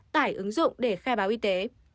tải ứng dụng để khai báo y tế